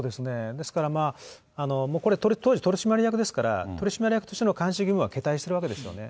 ですからまあ、これ、当時取締役ですから、取締役としての監視義務は懈怠しているわけですよね。